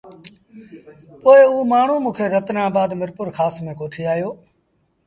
پوء او مآڻهوٚݩ موݩ کي رتنآن آبآد ميرپورکآس ميݩ ڪوٺي آيو۔